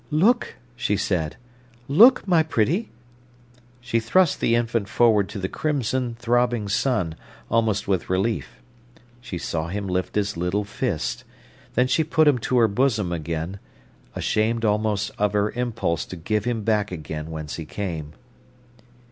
"Look!" she said. "Look, my pretty!" She thrust the infant forward to the crimson, throbbing sun, almost with relief. She saw him lift his little fist. Then she put him to her bosom again, ashamed almost of her impulse to give him back again whence he came.